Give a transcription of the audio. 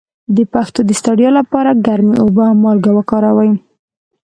د پښو د ستړیا لپاره ګرمې اوبه او مالګه وکاروئ